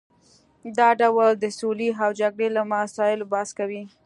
دا ډول د سولې او جګړې له مسایلو بحث کوي